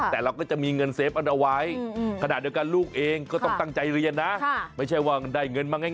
แต่เราก็จะมีเงินเซฟอันเอาไว้